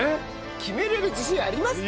決められる自信ありますか？